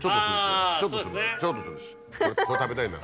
これ食べたいんだ。